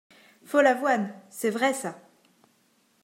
Follavoine C’est vrai ça !…